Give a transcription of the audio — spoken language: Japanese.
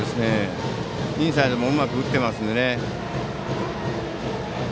インサイドもうまく打っていますので。